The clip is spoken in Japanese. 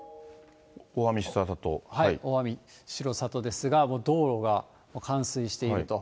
大網白里ですが、道路が冠水していると。